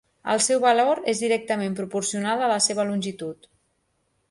El seu valor és directament proporcional a la seva longitud.